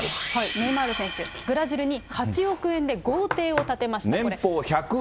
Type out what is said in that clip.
ネイマール選手、ブラジルに８億円で豪邸を建てました。